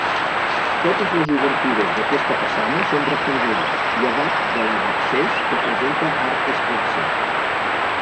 Totes les obertures, d'aquesta façana són rectangulars llevat de la d'accés, que presenta arc escarser.